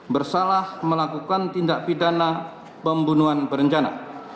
bersalah melakukan tindak pidana pembunuhan berencana